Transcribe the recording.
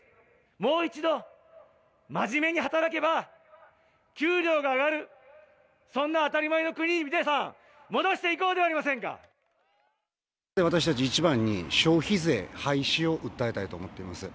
もう一度、真面目に働けば、給料が上がる、そんな当たり前の国に皆さん、私たち、一番に消費税廃止を訴えたいと思っています。